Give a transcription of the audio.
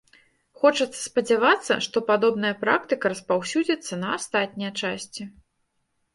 Хочацца спадзявацца, што падобная практыка распаўсюдзіцца на астатнія часці.